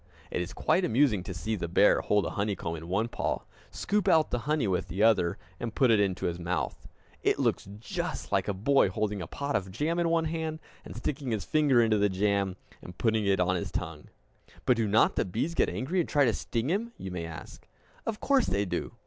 It is quite amusing to see the bear hold a honeycomb in one paw, scoop out the honey with the other, and put it into his mouth. It looks just like a boy holding a pot of jam in one hand, and sticking his fingers into the jam and putting it on his tongue! "But do not the bees get angry, and try to sting him?" you may ask. Of course they do.